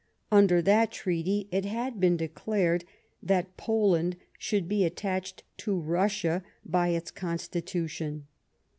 Under that treaty it had b6en declared that Poland should be attached to Russia by its constitution.